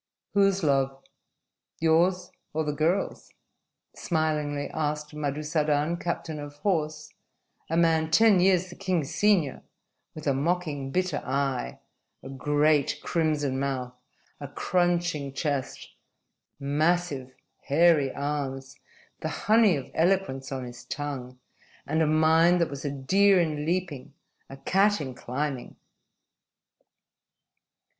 "Whose love yours or the girl's?" smilingly asked Madusadan, captain of horse, a man ten years the king's senior, with a mocking, bitter eye, a great, crimson mouth, a crunching chest, massive, hairy arms, the honey of eloquence on his tongue, and a mind that was a deer in leaping, a cat in climbing.